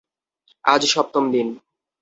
আজ সপ্তম দিন।